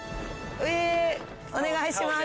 お願いします。